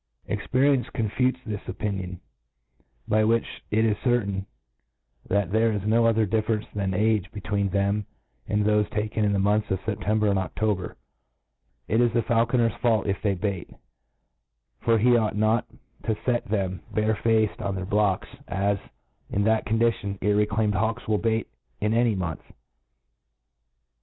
Experience con futes this opinion, by whieh it iS Certain, that there is no other differ enee than age between them and thofe taken in the months of September and Oc tober, It is the faulconer's fault if they beat; fof he ought not to fet thcni bare faced on their biodes^ is^ in that oon^itionj irreclatmed hawks will bek^'ift a^y mantfe.